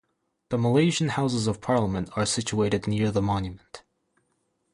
The Malaysian Houses of Parliament are situated near the monument.